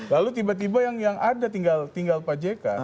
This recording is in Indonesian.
lalu tiba tiba yang ada tinggal pak jk